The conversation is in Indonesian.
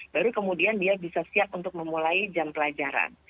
baru kemudian dia bisa siap untuk memulai jam pelajaran